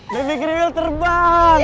baby kriwil terbang